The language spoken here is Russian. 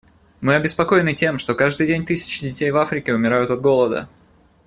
Мы обеспокоены тем, что каждый день тысячи детей в Африке умирают от голода.